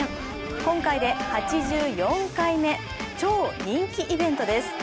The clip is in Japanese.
今回で８４回目超人気イベントです。